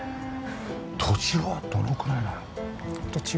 土地はどのくらいなの？